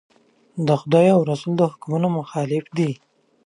د خدای او رسول د حکمونو مخالف دي.